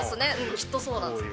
きっとそうなんですよ。